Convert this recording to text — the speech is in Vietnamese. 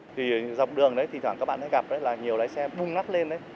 thì dọc đường đấy thỉnh thoảng các bạn gặp là nhiều lái xe bung nắp lên đấy